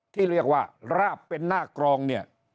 ที่เรียกว่าราบเป็นหน้ากรองเนี่ย